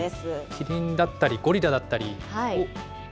キリンだったりゴリラだったり、おっ？